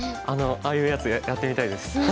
あのああいうやつやってみたいです。